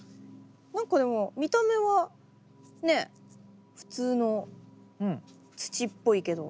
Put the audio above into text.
何かでも見た目はねえ普通の土っぽいけど。